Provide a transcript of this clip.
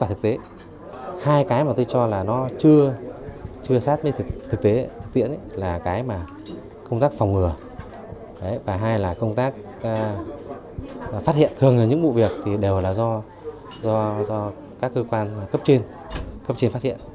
thứ hai là công tác phát hiện thường là những bộ việc đều là do các cơ quan cấp trên phát hiện